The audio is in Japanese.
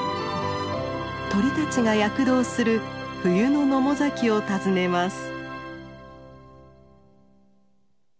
鳥たちが躍動する冬の野母崎を訪ねます。